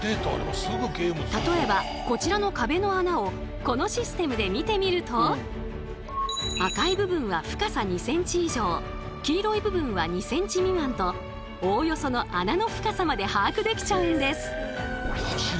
例えばこちらの壁の穴をこのシステムで見てみると赤い部分は深さ２ｃｍ以上黄色い部分は２ｃｍ未満とおおよその穴の深さまで把握できちゃうんです！